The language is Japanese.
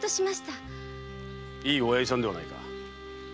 いい親父さんではないか。